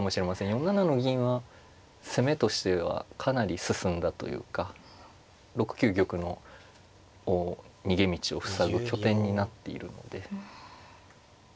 ４七の銀は攻めとしてはかなり進んだというか６九玉の逃げ道を塞ぐ拠点になっているので。